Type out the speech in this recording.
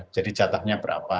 jadi jatahnya berapa